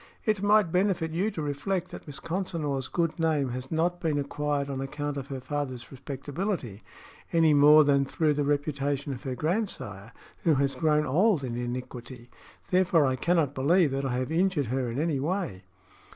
"It might benefit you to reflect that Miss Consinor's good name has not been acquired on account of her father's respectability, any more than through the reputation of her grandsire, who has grown old in iniquity. Therefore, I cannot believe that I have injured her in any way."